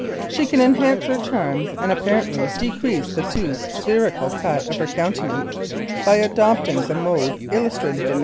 She can enhance her charms and apparently decrease the too spherical cut of her countenance by adopting the mode illustrated in No.